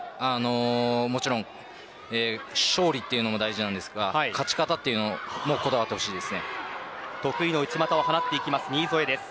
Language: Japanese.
もちろん勝利というものも大事ですが勝ち方にもこだわってほしいです。